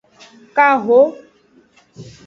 Kaho.